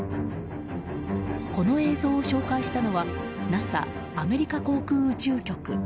この映像を紹介したのはＮＡＳＡ・アメリカ航空宇宙局。